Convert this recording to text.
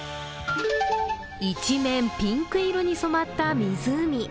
一面ピンク色に染まった湖。